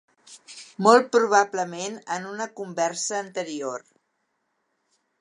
Molt probablement en una conversa anterior.